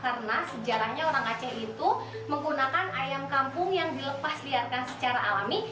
karena sejarahnya orang aceh itu menggunakan ayam kampung yang dilepas liarkan secara alami